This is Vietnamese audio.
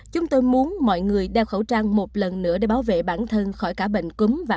chúng tôi muốn mọi người đeo khẩu trang một lần nữa để bảo vệ bản thân khỏi cả bệnh